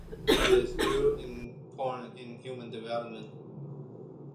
It is thus important in human development.